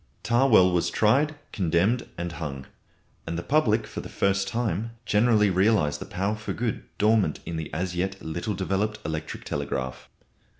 Tawell was tried, condemned, and hung, and the public for the first time generally realised the power for good dormant in the as yet little developed electric telegraph.